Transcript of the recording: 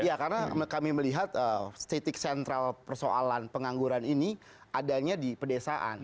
iya karena kami melihat statik sentral persoalan pengangguran ini adanya di pedesaan